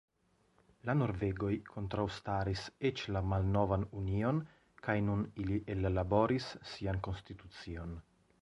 La norvegoj kontraŭstaris eĉ la malnovan union kaj nun ili ellaboris sian konstitucion.